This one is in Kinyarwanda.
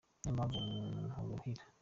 Niyo mpamvu nkuruhira